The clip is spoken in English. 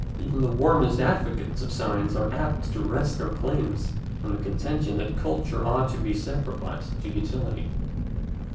Even the warmest advocates of science are apt to rest their claims on the contention that culture ought to be sacrificed to utility.